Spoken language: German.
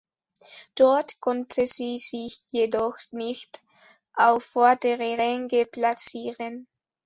Dort konnte sie sich jedoch nicht auf vordere Ränge platzieren.